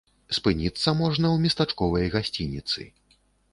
Спыніцца можна ў местачковай гасцініцы.